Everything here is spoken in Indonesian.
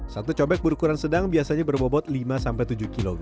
satu cobek berukuran sedang biasanya berbobot lima tujuh kg